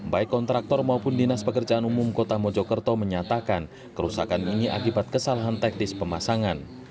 baik kontraktor maupun dinas pekerjaan umum kota mojokerto menyatakan kerusakan ini akibat kesalahan teknis pemasangan